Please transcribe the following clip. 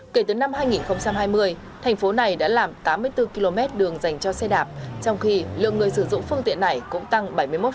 kể từ năm hai nghìn hai mươi thành phố này đã làm tám mươi bốn km đường dành cho xe đạp trong khi lượng người sử dụng phương tiện này cũng tăng bảy mươi một